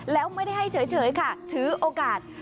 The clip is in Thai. แล้วไม่ได้ให้เฉยค่ะถือโอกาส